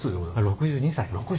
６２歳。